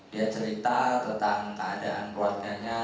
dia cerita tentang keadaan keluarganya